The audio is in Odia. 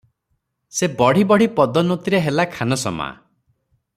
ସେ ବଢ଼ି ବଢ଼ି ପଦୋନ୍ନତିରେ ହେଲା ଖାନସମା ।